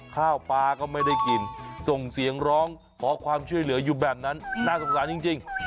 ข้าวปลาก็ไม่ได้กินส่งเสียงร้องขอความช่วยเหลืออยู่แบบนั้นน่าสงสารจริง